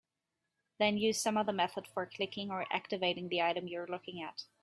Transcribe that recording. Then use some other method for clicking or "activating" the item you're looking at.